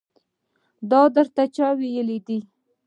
دا درته چا ويلي دي.